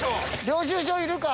領収書いるか？